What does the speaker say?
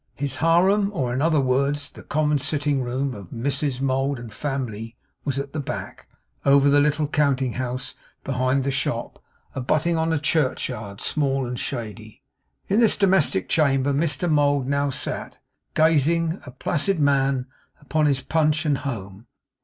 His Harem, or, in other words, the common sitting room of Mrs Mould and family, was at the back, over the little counting house behind the shop; abutting on a churchyard small and shady. In this domestic chamber Mr Mould now sat; gazing, a placid man, upon his punch and home.